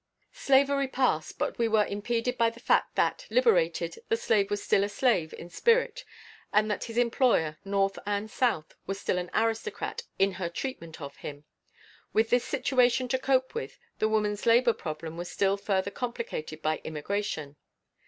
Slavery passed, but we were impeded by the fact that, liberated, the slave was still a slave in spirit and that his employer, North and South, was still an aristocrat in her treatment of him. With this situation to cope with, the woman's labor problem was still further complicated by immigration.